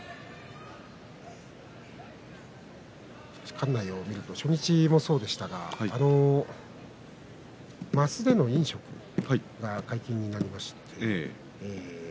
館内を見ると初日もそうでしたが升席での飲食が解禁になりました。